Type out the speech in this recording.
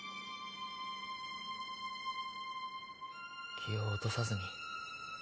気を落とさずに。